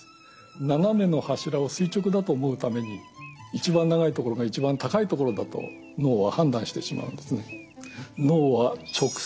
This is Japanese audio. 斜めの柱を垂直だと思うために一番長い所が一番高い所だと脳は判断してしまうんですね。